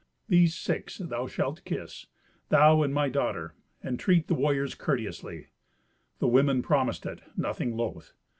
These six thou shalt kiss—thou and my daughter. Entreat the warriors courteously." The women promised it, nothing loth.